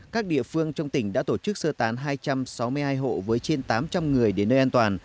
các địa phương trong tỉnh đã tổ chức sơ tán hai trăm sáu mươi hai hộ với trên tám trăm linh người đến nơi an toàn